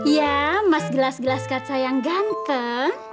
ya mas gelas gelas kaca yang ganteng